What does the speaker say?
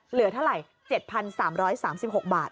เหลือเท่าไหร่๗๓๓๖บาท